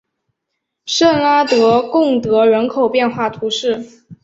圣拉德贡德人口变化图示